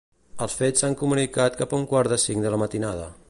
Els fets s'han comunicat cap a un quart de cinc de la matinada.